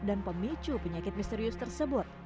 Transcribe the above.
dan pemicu penyakit misterius tersebut